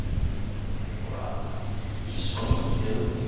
だってほら一緒に生きてるっていう